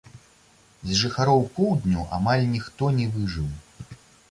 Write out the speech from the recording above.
З жыхароў поўдню амаль ніхто не выжыў.